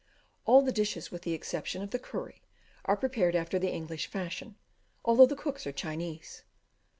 All the dishes, with the exception of the curry, are prepared after the English fashion, although the cooks are Chinese.